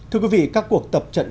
thưa quý vị các cuộc tập trận